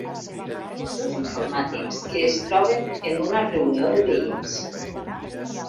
Com dos informàtics que es troben en una reunió de veïns.